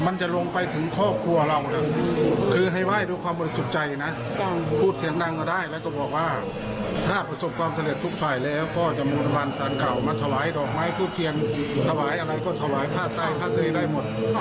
น่ะลุมโพลุมพ่อมันสว่ายเฉพาะเจ้าเบิดเจ้าอย่าลืมไหม